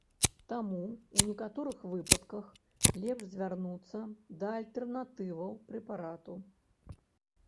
Таму у некаторых выпадках лепш звярнуцца да альтэрнатываў прэпарату.